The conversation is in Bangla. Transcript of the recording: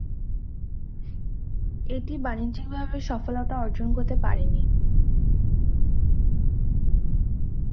এটি বাণিজ্যিকভাবে সফলতা অর্জন করতে পারে নি।